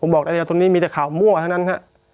ผมบอกได้เลยว่าตรงนี้มีแต่ข่าวมั่วเท่านั้นครับ